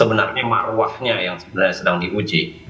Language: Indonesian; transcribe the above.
sebenarnya maruahnya yang sebenarnya sedang diuji